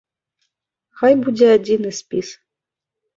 Хай будзе адзіны спіс.